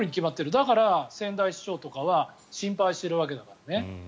だから、仙台市長とかは心配しているわけだよね。